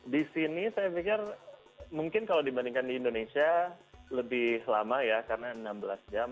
di sini saya pikir mungkin kalau dibandingkan di indonesia lebih lama ya karena enam belas jam